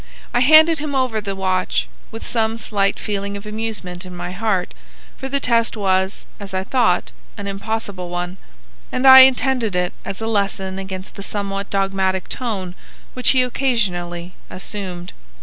I handed him over the watch with some slight feeling of amusement in my heart, for the test was, as I thought, an impossible one, and I intended it as a lesson against the somewhat dogmatic tone which he occasionally assumed.